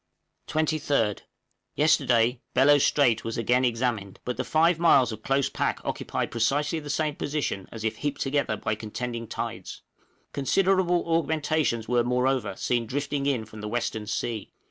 23rd. Yesterday Bellot Strait was again examined, but the five miles of close pack occupied precisely the same position as if heaped together by contending tides; considerable augmentations were moreover seen drifting in from the western sea.